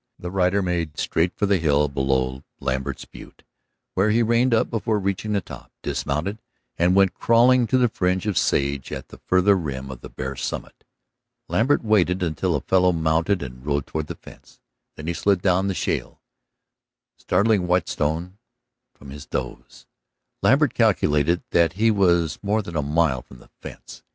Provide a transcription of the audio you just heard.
The rider made straight for the hill below Lambert's butte, where he reined up before reaching the top, dismounted and went crawling to the fringe of sage at the farther rim of the bare summit. Lambert waited until the fellow mounted and rode toward the fence, then he slid down the shale, starting Whetstone from his doze. Lambert calculated that he was more than a mile from the fence.